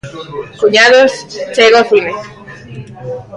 Cuñados, chega ao cine.